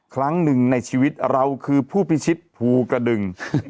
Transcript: ครั้งหนึ่งในชีวิตเราคือผู้พิชิตภูกระดึง